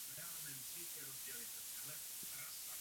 Publikoval také v mezinárodních výzkumných a odborných časopisech.